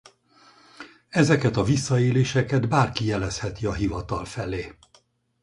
Ezeket a visszaéléseket bárki jelezheti a hivatal felé.